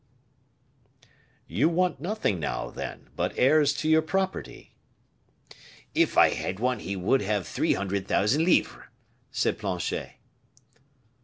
"You want nothing now, then, but heirs to your property." "If I had one he would have three hundred thousand livres," said Planchet.